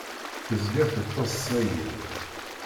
Tezga tettaḍṣa-iyi-d.